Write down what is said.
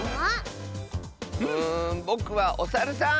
うんぼくはおサルさん！